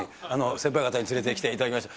先輩方に連れてきていただきました。